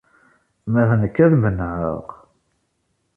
Ma d nekk ad menɛeɣ.